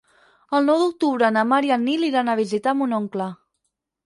El nou d'octubre na Mar i en Nil iran a visitar mon oncle.